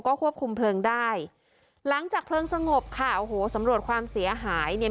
ควบคุมเพลิงได้หลังจากเพลิงสงบค่ะโอ้โหสำรวจความเสียหายเนี่ย